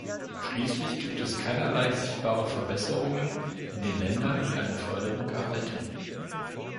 Schließlich gibt es keinerlei sichtbare Verbesserungen in den Ländern, die eine Förderung erhalten.